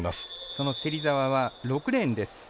その芹澤は６レーンです。